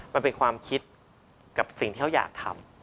มันเป็นความคิดกับสิ่งที่เขาอยากทำ